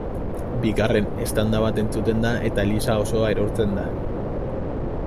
Bigarren eztanda bat entzuten da eta eliza osoa erortzen da.